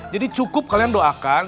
jadi cukup kalian doakan